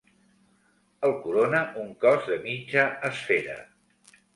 El corona un cos de mitja esfera.